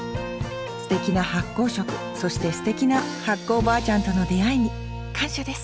すてきな発酵食そしてすてきな発酵おばあちゃんとの出会いに感謝です